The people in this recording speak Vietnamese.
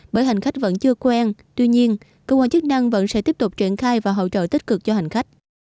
bởi hành khách vẫn chưa quen tuy nhiên cơ quan chức năng vẫn sẽ tiếp tục triển khai và hỗ trợ tích cực cho hành khách